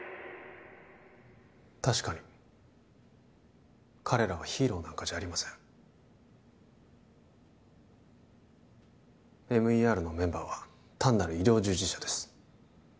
確かに彼らはヒーローなんかじゃありませんＭＥＲのメンバーは単なる医療従事者です